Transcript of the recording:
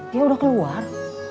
dia udah keluar